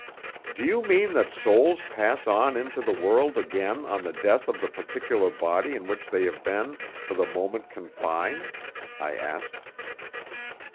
"Do you mean that souls pass on into the world again on the death of the particular body in which they have been for the moment confined?" I asked.